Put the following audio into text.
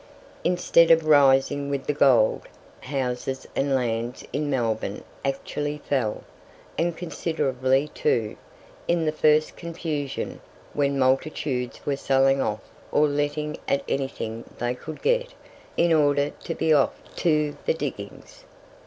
Instead of rising with the gold, houses and lands in Melbourne actually fell, and considerably too, in the first confusion, when multitudes were selling off or letting at anything they could get, in order to be off to the diggings.